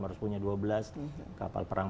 harus punya dua belas kapal perang